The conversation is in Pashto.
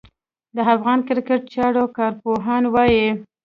د افغان کرېکټ چارو کارپوهان وايي